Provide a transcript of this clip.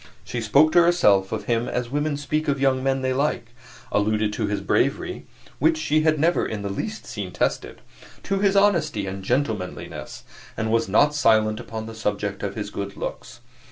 She spoke to herself of him as women speak of young men they like alluded to his bravery (which she had never in the least seen tested), to his honesty and gentlemanliness, and was not silent upon the subject of his good looks.